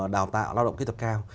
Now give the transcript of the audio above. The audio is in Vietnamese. đào tạo lao động kỹ thuật cao